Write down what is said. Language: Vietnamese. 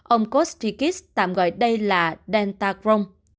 ông kostikis tạm gọi đây là delta crohn